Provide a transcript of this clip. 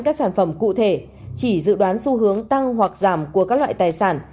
các sản phẩm cụ thể chỉ dự đoán xu hướng tăng hoặc giảm của các loại tài sản